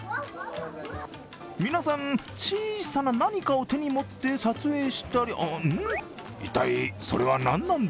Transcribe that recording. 皆さん、小さな何かを手に持って撮影したりん？